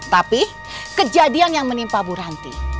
tapi kejadian yang menimpa bu ranti